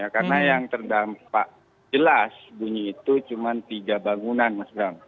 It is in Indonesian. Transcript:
karena yang terdampak jelas bunyi itu cuma tiga bangunan mas bram